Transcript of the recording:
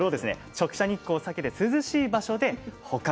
直射日光を避けて涼しい場所で保管します。